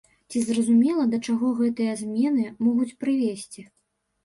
Ці зразумела, да чаго гэтыя змены могуць прывесці?